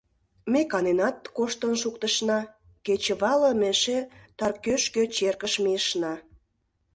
Ме каненат коштын шуктышна, кечывалым эше Таркӧшкӧ черкыш мийышна.